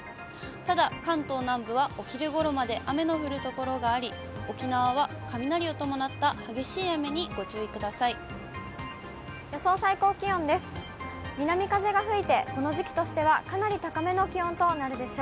ただ関東南部はお昼ごろまで雨の降る所があり、沖縄は雷を伴った予想最高気温です。